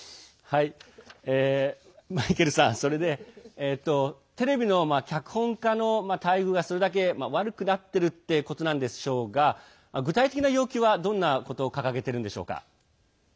マイケルさん、それでテレビの脚本家さんの待遇がそれだけ悪くなってるってことなんでしょうが具体的な要求はどんなことを掲げているんでしょうか？